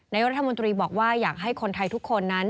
นายกรัฐมนตรีบอกว่าอยากให้คนไทยทุกคนนั้น